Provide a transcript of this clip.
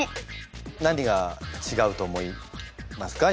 何がちがうと思いますか？